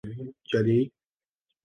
چلی